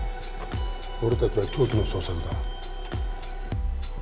俺たちは凶器の捜索だ。